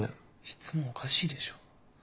質問おかしいでしょ。